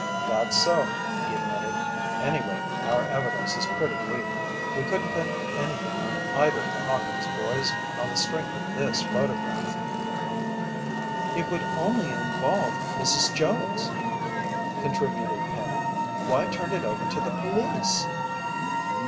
"That's so," he admitted. "Anyway, our evidence is pretty weak. We couldn't pin anything on either of the Hawkins' boys on the strength of this photograph." "It would only involve Mrs. Jones," contributed Penny. "Why turn it over to the police?"